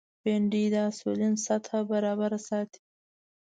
بېنډۍ د انسولین سطحه برابره ساتي